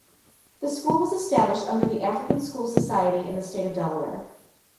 The school was established under the African School Society in the state of Delaware.